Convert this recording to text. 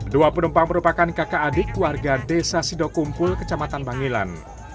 dua penumpang merupakan kakak adik warga desa sidokumpul kecamatan bangilan